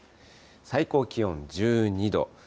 最高気温１２度。